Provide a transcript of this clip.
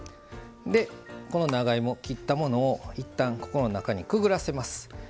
長芋、切ったものをいったん、ここの中にくぐらせます。